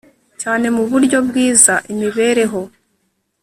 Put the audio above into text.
cyane mu buryo bwiza imibereho